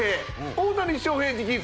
大谷翔平直筆